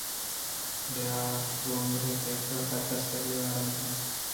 بیا رویںمردک ءَ پہ تسلہ ءُآرام درّائینت